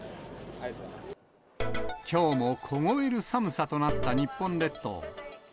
きょうも凍える寒さとなった日本列島。